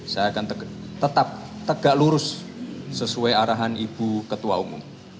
saya akan tetap tegak lurus sesuai arahan ibu ketua umum